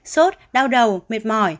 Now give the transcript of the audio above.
sốt đau đầu mệt mỏi